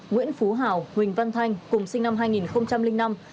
nguyễn phú hào huỳnh văn thanh cùng sinh năm hai nghìn năm